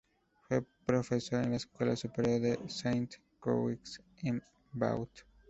Fue profesor en la Escuela Superior de Sainte-Croix, en Vaud.